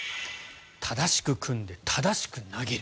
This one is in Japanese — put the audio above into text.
正しく組んで正しく投げる。